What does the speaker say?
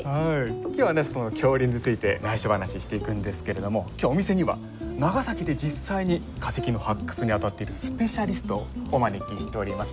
今日はねその恐竜についてないしょ話していくんですけれども今日お店には長崎で実際に化石の発掘に当たっているスペシャリストをお招きしております。